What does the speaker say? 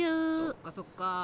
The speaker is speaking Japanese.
そっかそっか。